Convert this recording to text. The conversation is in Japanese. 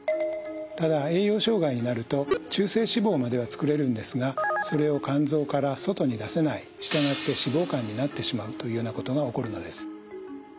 ただ栄養障害になると中性脂肪までは作れるんですがそれを肝臓から外に出せない従って脂肪肝になってしまうというようなことが起こるのです。